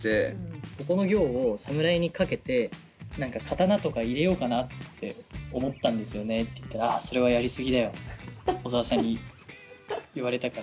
「ここの行を侍にかけて何か刀とか入れようかなって思ったんですよね」って言ったら「あそれはやりすぎだよ」って小沢さんに言われたから。